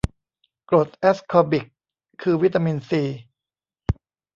กรดแอสคอบิก คือวิตามินซี